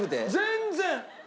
全然！